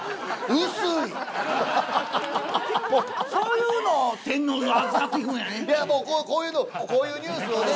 いやもうこういうのこういうニュースをね。